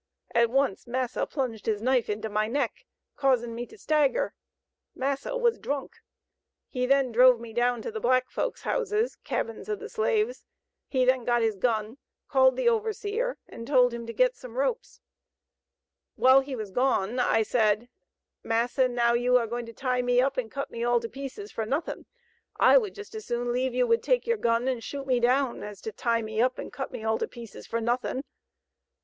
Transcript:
At once massa plunged his knife into my neck causing me to stagger. Massa was drunk. He then drove me down to the black folk's houses (cabins of the slaves). He then got his gun, called the overseer, and told him to get some ropes. While he was gone I said, 'Massa, now you are going to tie me up and cut me all to pieces for nothing. I would just as leave you would take your gun and shoot me down as to tie me up and cut me all to pieces for nothing.'